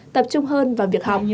tập trung hơn vào việc học